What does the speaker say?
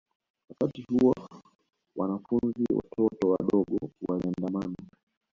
Wakati huo wanafunzi watoto wadogo waliandamana